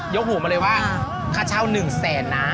ยกหัวมาเลยว่าค่าเช่าหนึ่งแสนนะ